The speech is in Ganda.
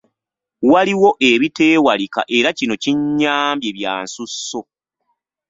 Waliwo ebiteewalika era kino kinnyambye byansusso.